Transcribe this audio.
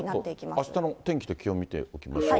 あしたの天気と気温見ておきましょうか。